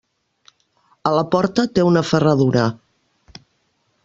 A la porta té una ferradura.